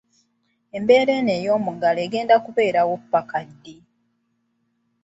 Embeera eno ey'omuggalo egenda kubeerawo paka ddi?